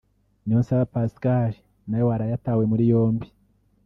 Niyonsaba Pascal na we waraye atawe muri yombi